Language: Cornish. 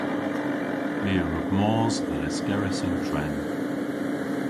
My a wrug mos dhe Lyskerrys yn tren.